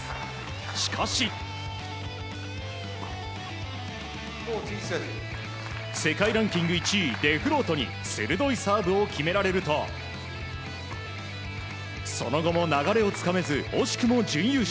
しかし、世界ランキング１位デフロートに鋭いサーブを決められるとその後も流れをつかめず惜しくも準優勝。